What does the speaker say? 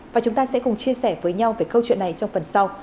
và chúng ta sẽ cùng chia sẻ với nhau về câu chuyện này trong phần sau